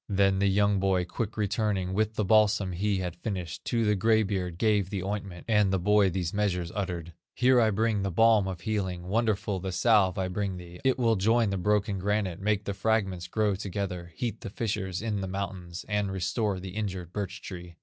Then the young boy quick returning With the balsam he had finished, To the gray beard gave the ointment, And the boy these measures uttered: "Here I bring the balm of healing, Wonderful the salve I bring thee; It will join the broken granite, Make the fragments grow together, Heat the fissures in the mountains, And restore the injured birch tree."